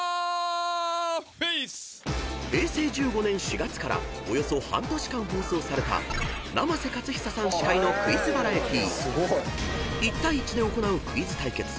［平成１５年４月からおよそ半年間放送された生瀬勝久さん司会のクイズバラエティー］